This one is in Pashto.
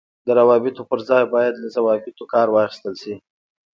د روابطو پر ځای باید له ضوابطو کار واخیستل شي.